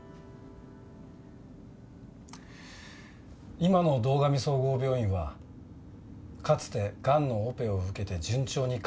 今の堂上総合病院はかつてがんのオペを受けて順調に回復した患者です。